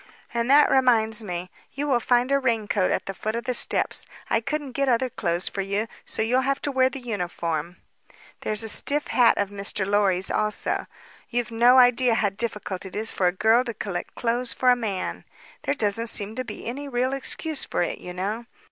And that reminds me: you will find a raincoat at the foot of the steps. I couldn't get other clothes for you, so you'll have to wear the uniform. There's a stiff hat of Mr. Lorry's also. You've no idea how difficult it is for a girl to collect clothes for a man. There doesn't seem to be any real excuse for it, you know.